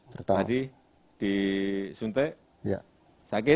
pertama di suntek sakit